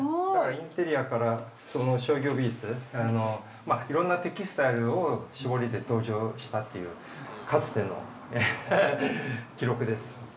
◆インテリアから商業美術、いろんなテキスタイルを絞りで登場したというかつての記録です。